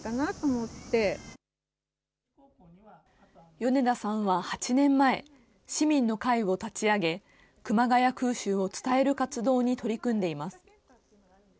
米田さんは８年前、市民の会を立ち上げ、熊谷空襲を伝える活動に取り組んでいます。